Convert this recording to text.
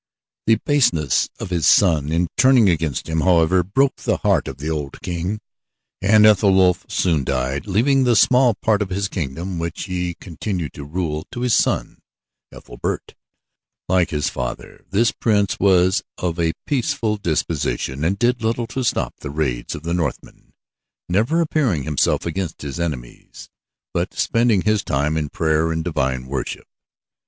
The baseness of his son in turning against him, however, broke the heart of the old king. And Ethelwulf soon died, leaving the small part of his kingdom which he had continued to rule to his son, Ethelbert. Like his father, this prince was of a peaceful disposition, and did little to stop the raids of the Northmen, never appearing himself against his enemies, but spending his time in prayer and divine worship.